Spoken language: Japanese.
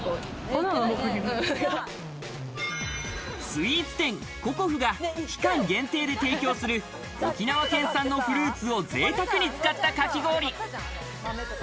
スイーツ店ＣＯＫＯＦＵが期間限定で提供する、沖縄県産のフルーツを贅沢に使ったかき氷。